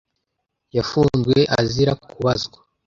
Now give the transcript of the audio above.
yafunzwe azira kubazwa.